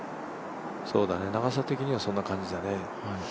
長さ的にはそんな感じだね。